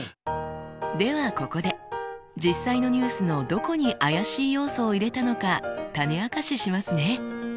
ではここで実際のニュースのどこに怪しい要素を入れたのか種明かししますね。